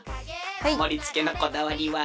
もりつけのこだわりは？